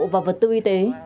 và vật tư y tế